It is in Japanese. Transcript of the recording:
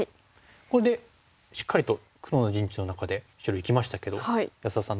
これでしっかりと黒の陣地の中で白生きましたけど安田さん